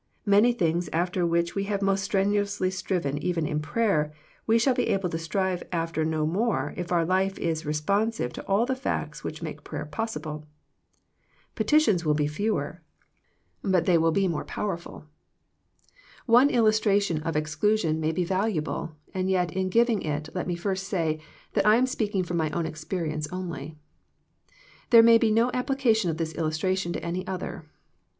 Many things after which we have most strenuously striven even in prayer, we shall be able to strive after no more if our life is responsive to all the facts which make prayer possible. Petitions will be fewer, but they will 122 THE PEACTICE OF PEAYEE be more powerful. One illustration of exclusion may be valuable, and yet in giving it let me first say that I am speaking from ray own experience only. There may be no application of this illus tration to any other.